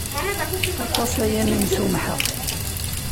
Aṭas-aya mi m-sumḥeɣ.